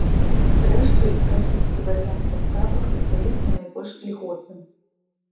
Зрэшты, расійскі варыянт паставак застаецца найбольш ільготным.